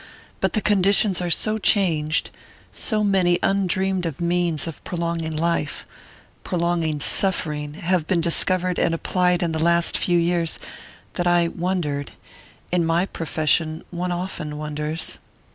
But the conditions are so changed so many undreamed of means of prolonging life prolonging suffering have been discovered and applied in the last few years, that I wondered...in my profession one often wonders...."